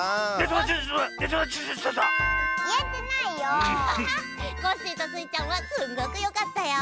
コッシーとスイちゃんはすっごくよかったよ！